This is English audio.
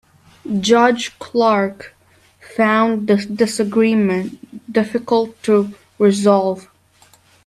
Judge Clark found this disagreement difficult to resolve.